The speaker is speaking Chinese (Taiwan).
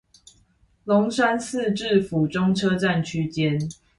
龍山寺至府中車站區間